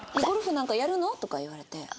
「ゴルフなんかやるの？」とか言われて。